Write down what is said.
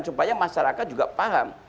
supaya masyarakat juga paham